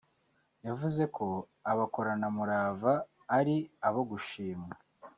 yavuze ko “Abakoranamurava” ari abo gushimwa